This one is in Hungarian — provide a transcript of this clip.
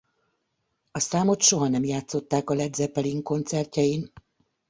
A számot soha nem játszották a Led Zeppelin koncertjein.